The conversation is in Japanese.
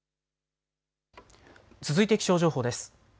続いて気象情報です。